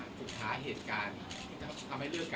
คนเราถ้าใช้ชีวิตมาจนถึงอายุขนาดนี้แล้วค่ะ